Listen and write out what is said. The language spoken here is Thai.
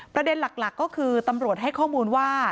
ประเด็นหลักก็คือตำรวจให้ข้อมูลว่า